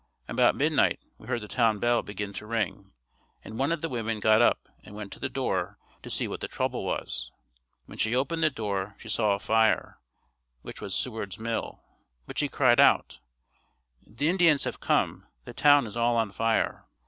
About midnight we heard the town bell begin to ring and one of the women got up and went to the door to see what the trouble was. When she opened the door, she saw a fire, which was Seward's Mill, but she cried out, "The Indians have come, the town is all on fire."